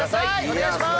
お願いします！